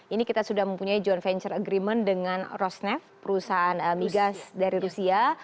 ini kita sudah mempunyai joint venture agreement dengan rosnef perusahaan migas dari rusia